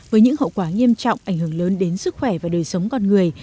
với những hậu quả nghiêm trọng ảnh hưởng lớn đến sức khỏe và đời sống con người